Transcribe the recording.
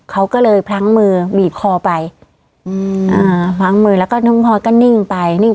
เขาก็เลยพลั้งมือบีบคอไปพลั้งมือแล้วก็น้องพลอยก็นิ่งไป